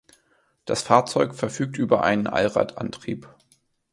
Das Fahrzeug verfügt über einen Allradantrieb.